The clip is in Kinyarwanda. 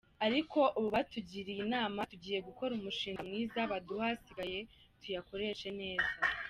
Ariko ubu batugiriye inama tugiye gukora umushinga mwiza baduhe asigaye tuyakoreshe neza”.